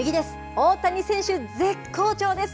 大谷選手、絶好調です。